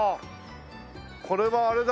これはあれだ。